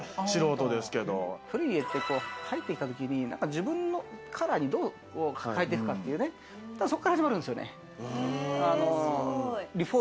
古い家って入ってきたときに自分のカラーにどう変えていくかっていう、そこから始まるんですよね。